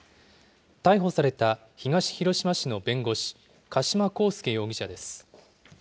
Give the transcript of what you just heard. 逮捕された、東広島市の弁護士、加島康介容疑者です。